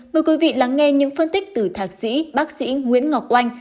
mời quý vị lắng nghe những phân tích từ thạc sĩ bác sĩ nguyễn ngọc oanh